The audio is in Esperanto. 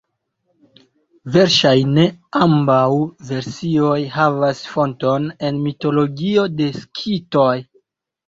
Verŝajne ambaŭ versioj havas fonton en mitologio de Skitoj.